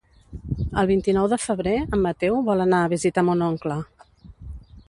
El vint-i-nou de febrer en Mateu vol anar a visitar mon oncle.